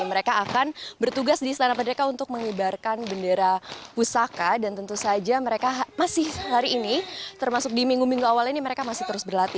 mereka akan bertugas di istana merdeka untuk mengibarkan bendera pusaka dan tentu saja mereka masih hari ini termasuk di minggu minggu awal ini mereka masih terus berlatih